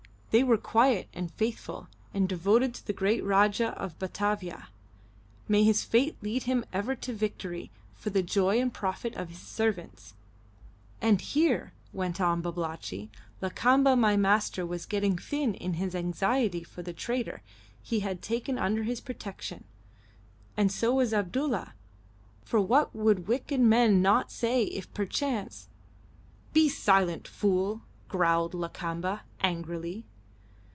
They were quiet and faithful, and devoted to the great Rajah in Batavia may his fate lead him ever to victory for the joy and profit of his servants! "And here," went on Babalatchi, "Lakamba my master was getting thin in his anxiety for the trader he had taken under his protection; and so was Abdulla, for what would wicked men not say if perchance " "Be silent, fool!" growled Lakamba, angrily.